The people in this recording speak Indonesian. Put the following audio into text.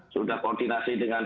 sudah koordinasi dengan